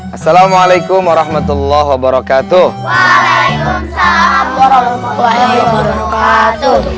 assalamualaikum warahmatullahi wabarakatuh waalaikumsalam warahmatullahi wabarakatuh